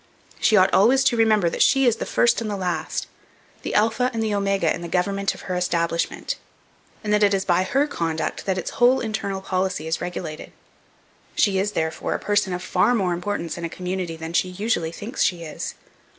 She ought always to remember that she is the first and the last, the Alpha and the Omega in the government of her establishment; and that it is by her conduct that its whole internal policy is regulated. She is, therefore, a person of far more importance in a community than she usually thinks she is.